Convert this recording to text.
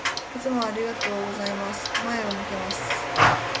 いつもありがとうございます。前を向けます。